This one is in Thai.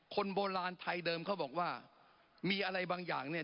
คนโบราณไทยเดิมเขาบอกว่ามีอะไรบางอย่างเนี่ย